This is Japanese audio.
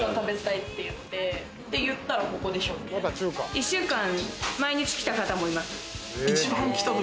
１週間、毎日来た方もいます。